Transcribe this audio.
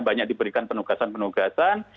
banyak diberikan penugasan penugasan